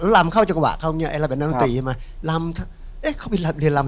รำเข้าจังหวะเขาเนี่ยไอ้รำแบบนาโนตรีมารำเข้าไปเรียนรำ